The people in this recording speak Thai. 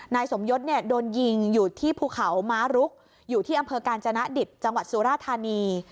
นายสมยศเนี่ยโดนยิงอยู่ที่ภูเขาม้ารุกอยู่ที่อำเภอกาญจนดิตจังหวัดสุราธานี